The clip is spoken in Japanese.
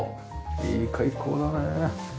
いい開口だね。